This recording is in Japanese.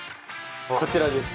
こちらです。